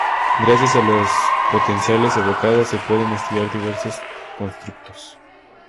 Gracias a los potenciales evocados se pueden estudiar diversos constructos.